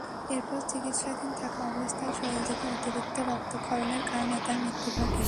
এরপর চিকিৎসাধীন থাকা অবস্থায় শরীর থেকে অতিরিক্ত রক্তক্ষরণের কারণে তাঁর মৃত্যু ঘটে।